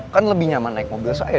kan lebih nyaman naik mobil saya